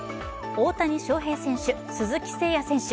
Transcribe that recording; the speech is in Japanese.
大谷翔平選手、鈴木誠也選手